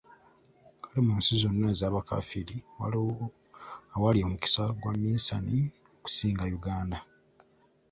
Kale mu nsi zonna ez'abakaafiiri, waliwo awali omukisa gwa minsani okusinga Uganda?